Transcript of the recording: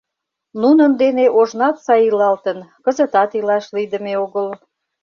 Нунын дене ожнат сай илалтын, кызытат илаш лийдыме огыл.